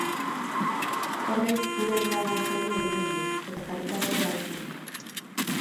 Horrek gure lana zaildu egiten du, eta kalitatea galtzen da.